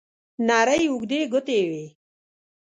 نرۍ اوږدې ګوتې یې وې.